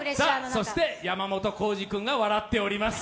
そして、山本耕史君が笑っております。